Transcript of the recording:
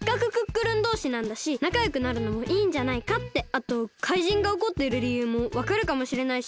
あとかいじんがおこってるりゆうもわかるかもしれないし。